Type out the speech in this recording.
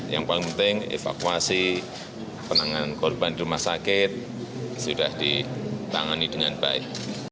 yang paling penting evakuasi penanganan korban di rumah sakit sudah ditangani dengan baik